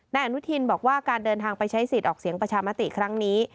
นายอนุทินบอกว่าการเดินทางไปใช้สิทธิ์ออกเสียงประชามติครั้งนี้